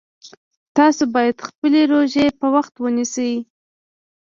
تاسو باید خپلې روژې په وخت ونیسئ